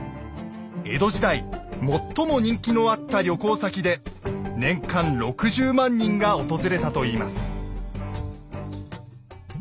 江戸時代最も人気のあった旅行先で年間６０万人が訪れたといいます。